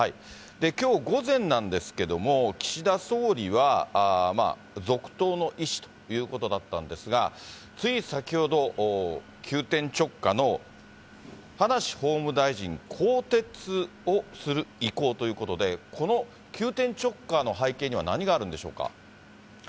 きょう午前なんですけれども、岸田総理は続投の意思ということだったんですが、つい先ほど、急転直下の、葉梨法務大臣更迭をする意向ということで、この急転直下の背景には何があるんでしょうか。